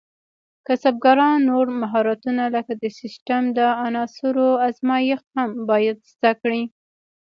کسبګران نور مهارتونه لکه د سیسټم د عناصرو ازمېښت هم باید زده کړي.